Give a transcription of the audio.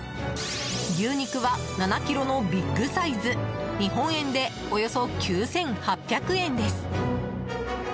牛肉は７ｋｇのビッグサイズ日本円でおよそ９８００円です。